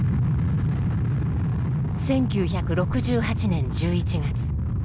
１９６８年１１月。